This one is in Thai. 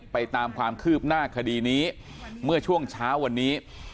ตามความคืบหน้าคดีนี้เมื่อช่วงเช้าวันนี้